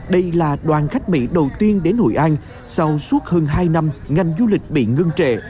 đây là đoàn khách mỹ đầu tiên đến hội an sau suốt hơn hai năm ngành du lịch bị ngưng trệ